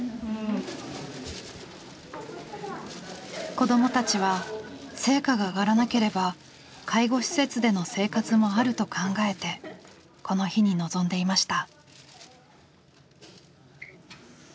子どもたちは成果が上がらなければ介護施設での生活もあると考えてこの日に臨んでいました。